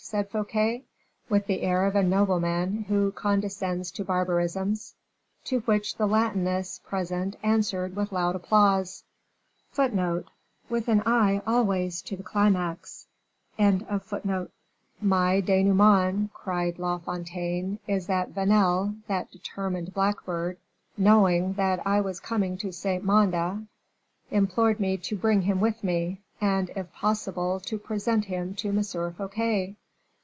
said Fouquet, with the air of a nobleman who condescends to barbarisms. To which the Latinists present answered with loud applause. "My denouement," cried La Fontaine, "is that Vanel, that determined blackbird, knowing that I was coming to Saint Mande, implored me to bring him with me, and, if possible, to present him to M. Fouquet."